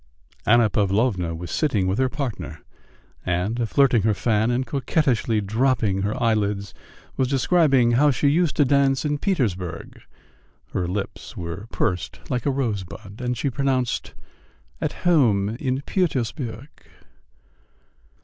Anna Pavlovna was sitting with her partner, and, flirting her fan and coquettishly dropping her eyelids, was describing how she used to dance in Petersburg (her lips were pursed up like a rosebud, and she pronounced "at home in Pütürsburg").